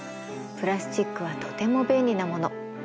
プラスチックはとても便利なもの。